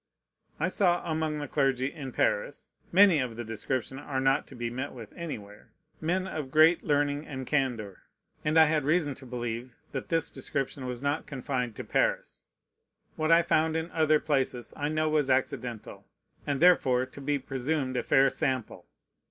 I saw among the clergy in Paris (many of the description are not to be met with anywhere) men of great learning and candor; and I had reason to believe that this description was not confined to Paris. What I found in other places I know was accidental, and therefore to be presumed a fair sample.